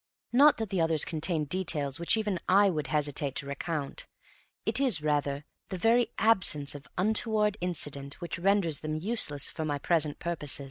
Not that the others contained details which even I would hesitate to recount; it is, rather, the very absence of untoward incident which renders them useless for my present purpose.